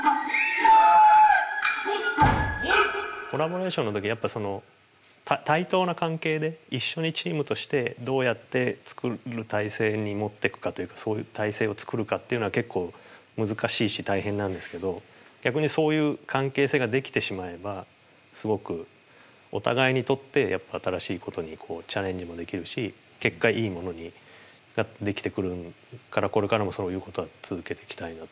コラボレーションの時に対等な関係で一緒にチームとしてどうやって作る体制に持ってくかそういう体制を作るかっていうのは結構難しいし大変なんですけど逆にそういう関係性が出来てしまえばすごくお互いにとって新しいことにチャレンジもできるし結果いいものが出来てくるからこれからもそういうことは続けていきたいなと。